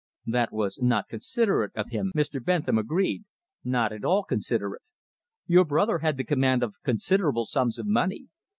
"That was not considerate of him," Mr. Bentham agreed "not at all considerate. Your brother had the command of considerable sums of money.